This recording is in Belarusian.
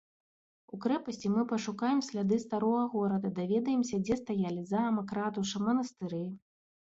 У крэпасці мы пашукаем сляды старога горада, даведаемся, дзе стаялі замак, ратуша, манастыры.